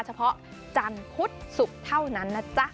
เฉพาะจันทร์พุธศุกร์เท่านั้นนะจ๊ะ